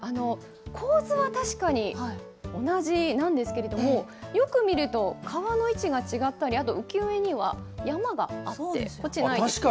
構図は確かに同じなんですけれども、よく見ると、川の位置が違ったり、あと浮世絵には山があって、こっちないです。